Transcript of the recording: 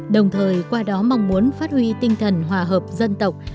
đồng thời qua đó mong muốn phát huy tinh thần hòa hợp dân tộc